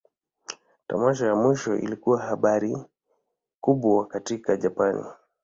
Tamasha ya mwisho ilikuwa habari kubwa katika Japan.